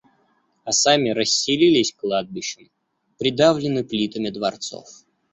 А сами расселились кладбищем, придавлены плитами дворцов.